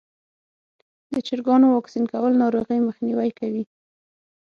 د چرګانو واکسین کول ناروغۍ مخنیوی کوي.